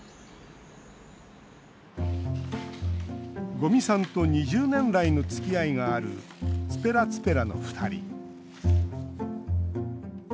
五味さんと２０年来のつきあいがあるｔｕｐｅｒａｔｕｐｅｒａの２人。